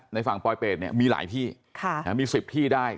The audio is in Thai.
ในฝั่งปลอยเป็ดเนี่ยมีหลายที่มี๑๐ที่ได้